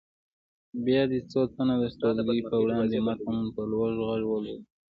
بیا دې څو تنه د ټولګي په وړاندې متن په لوړ غږ ولولي.